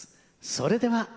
それでは。